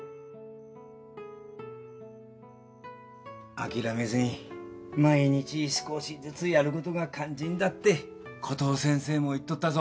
あきらめずに毎日少しずつやることが肝心だってコトー先生も言っとったぞ。